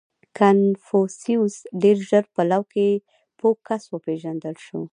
• کنفوسیوس ډېر ژر په لو کې پوه کس وپېژندل شو.